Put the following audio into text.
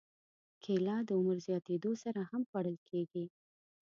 کېله د عمر زیاتېدو سره هم خوړل کېږي.